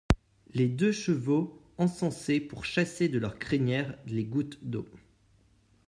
Les deux chevaux encensaient pour chasser de leurs crinières les gouttes d'eau.